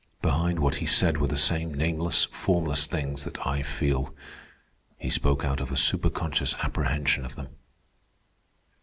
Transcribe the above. Behind what he said were the same nameless, formless things that I feel. He spoke out of a superconscious apprehension of them."